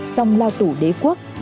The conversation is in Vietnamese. trong lao tủ đế quốc